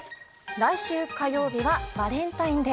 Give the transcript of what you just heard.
来週火曜日はバレンタインデー。